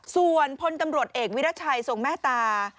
ส่วนพลตำรวจเอกวิรัชัยทรงแม่ตา